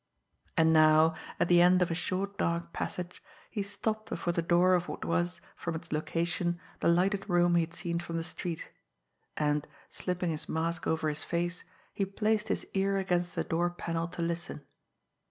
And now, at the end of a short, dark passage, he stopped before the door of what was, from its location, the lighted room he had seen from the street; and, slipping his mask over his face, he placed his ear against the door panel to listen.